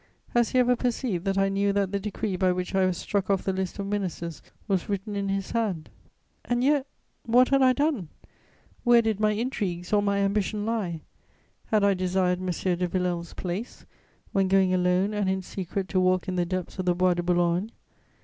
Has he ever perceived that I knew that the decree by which I was struck off the list of ministers was written in his hand? And yet, what had I done? Where did my intrigues or my ambition lie? Had I desired M. de Villèle's place, when going alone and in secret to walk in the depths of the Bois de Boulogne?